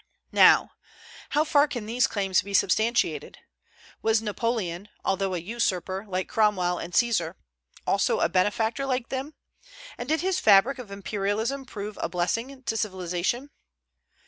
Now, how far can these claims be substantiated? Was Napoleon, although a usurper, like Cromwell and Caesar, also a benefactor like them; and did his fabric of imperialism prove a blessing to civilization?